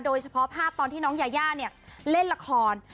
โดยเฉพาะภาพตอนที่น้องยาย่าเล่นละคร